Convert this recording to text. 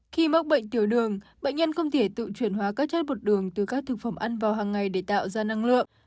khi mắc bệnh tiểu đường bệnh nhân không thể tự chuyển hóa các chất bột đường từ các thực phẩm ăn vào hàng ngày để tạo ra năng lượng